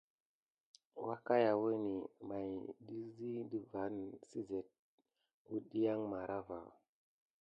Wakayawəni ɓay inda vaŋ si sezti wuadiya marava.